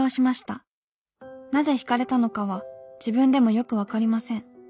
なぜひかれたのかは自分でもよく分かりません。